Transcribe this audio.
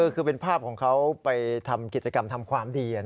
คือเป็นภาพของเขาไปทำกิจกรรมทำความดี